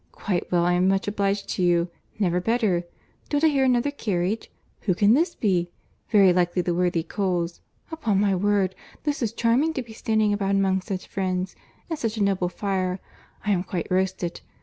—Quite well, I am much obliged to you. Never better.—Don't I hear another carriage?—Who can this be?—very likely the worthy Coles.—Upon my word, this is charming to be standing about among such friends! And such a noble fire!—I am quite roasted.